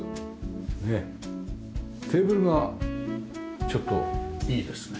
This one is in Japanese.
テーブルがちょっといいですね。